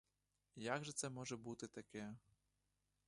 Як же це може бути таке.